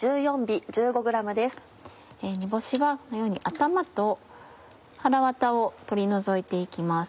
煮干しはこのように頭と腹ワタを取り除いて行きます。